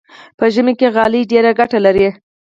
په ژمي کې غالۍ ډېره ګټه لري.